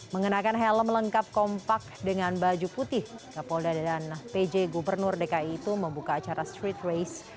mengenakan helm lengkap kompak dengan baju putih kapolda dan pj gubernur dki itu membuka acara street race